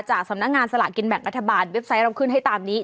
สำนักงานสลากินแบ่งรัฐบาลเว็บไซต์เราขึ้นให้ตามนี้